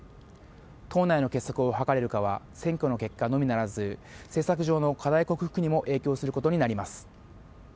党内の結束を図れるかは選挙の結果のみならず政策上の課題克服にも影響することになります。